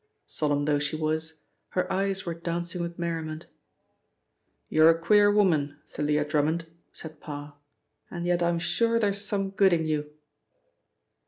Solemn though she was, her eyes were dancing with merriment. "You're a queer woman, Thalia Drummond," said Parr, "and yet I'm sure there is some good in you."